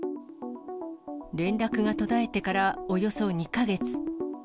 連絡が途絶えてから、およそ２か月。